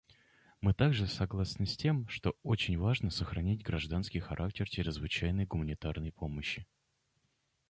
Мы также согласны с тем, что очень важно сохранять гражданский характер чрезвычайной гуманитарной помощи.